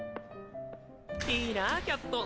いいなぁキャット。